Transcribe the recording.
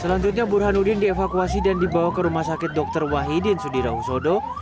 selanjutnya burhanuddin dievakuasi dan dibawa ke rumah sakit dr wahidin sudira husodo